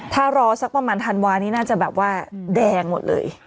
ถ้ารอสักประมาณธันวานี้น่าจะแบบว่าแดงหมดเลย